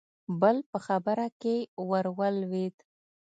بل په خبره کې ورولوېد: